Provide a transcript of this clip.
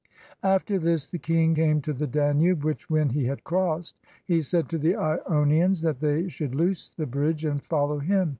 After this the king came to the Danube; which when he had crossed, he said to the lonians that they should loose the bridge and follow him.